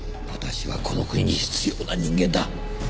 私はこの国に必要な人間だ。